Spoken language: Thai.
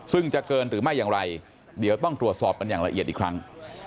ซึ่งจะเกินหรือไม่อย่างไรเดี๋ยวต้องตรวจสอบกันอย่างละเอียดอีกครั้ง